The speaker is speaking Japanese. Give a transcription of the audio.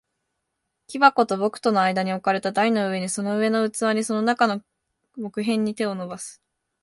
木箱と僕との間に置かれた台の上に、その上の器に、その中の木片に、手を伸ばす。